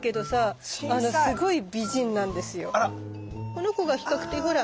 この子が比較的ほら。